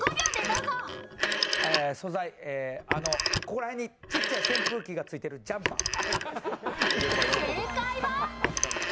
ここら辺に、ちっちゃい扇風機がついてるジャンパー。